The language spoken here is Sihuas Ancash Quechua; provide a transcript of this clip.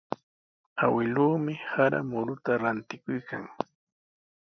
Awkilluumi sara mututa rantikuykan.